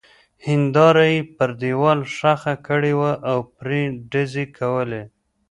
هېنداره يې پر دېوال ښخه کړې وه او پرې ډزې کولې.